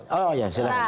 oh ya silahkan